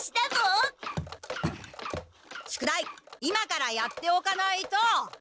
今からやっておかないと。